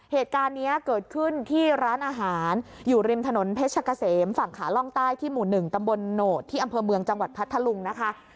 เหตุการณ์นี้เกิดขึ้นที่ร้านอาหารอยู่ริมถนนเพชรกะเสมฝั่งขาล่องใต้ที่หมู่๑ตำบลโหนดที่อำเภอเมืองจังหวัดพัทธลุงนะคะ